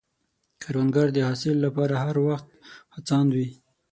کروندګر د حاصل له پاره هر وخت هڅاند وي